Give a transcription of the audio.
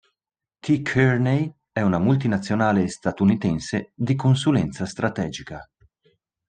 T. Kearney è una multinazionale statunitense di consulenza strategica.